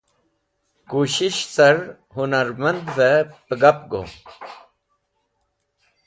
Kushish car hũnarmandvẽ pegap go.